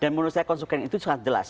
dan menurut saya konsekuens itu sangat jelas